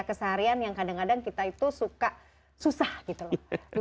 keseharian yang kadang kadang kita itu suka susah gitu loh